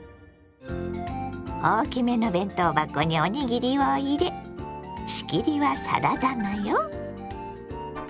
大きめの弁当箱におにぎりを入れ仕切りはサラダ菜よ。